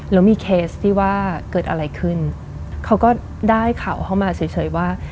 แล้วมีเคสที่ว่าเกิดอะไรขึ้นเขาก็ได้ข่าวเข้ามาเฉยว่า